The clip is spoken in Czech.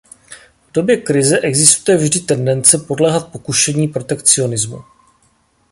V době krize existuje vždy tendence podléhat pokušení protekcionismu.